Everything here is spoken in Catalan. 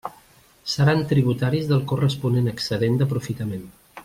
Seran tributaris del corresponent excedent d'aprofitament.